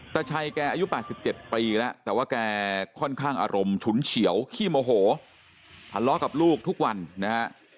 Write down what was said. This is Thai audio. ตาชัยแกอายุ๘๗ปีแล้วแต่ว่าแกค่อนข้างอารมณ์ฉุนเฉียวขี้โมโหทะเลาะกับลูกทุกวันนะฮะ